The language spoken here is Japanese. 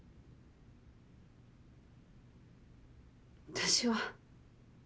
私は。